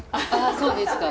そうですか。